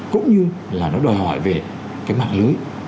cũng như là nó đòi hỏi về cái mạng lưới